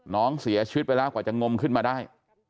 น้องเสียชีวิตไปแล้วกว่าจะงมขึ้นมาได้